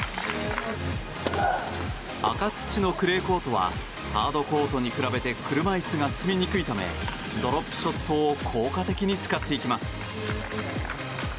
赤土のクレーコートはハードコートに比べて車いすが進みにくいためドロップショットを効果的に使っていきます。